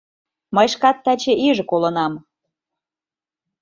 — Мый шкат таче иже колынам.